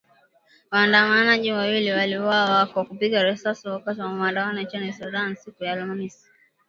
Waandamanaji wawili waliuawa kwa kupigwa risasi wakati wa maandamano nchini Sudan siku ya Alhamis